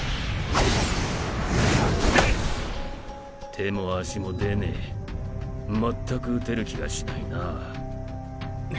手も足も出ねぇまったく打てる気がしないな。